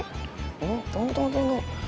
hmm tunggu tunggu tunggu